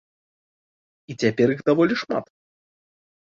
І цяпер іх даволі шмат.